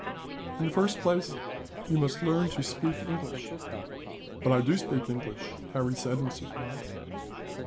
"In the first place, you must learn to speak English." "But I do speak English!" Harry said, in surprise.